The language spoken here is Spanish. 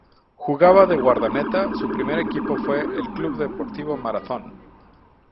Jugaba de guardameta, su primer equipo fue el Club Deportivo Marathón.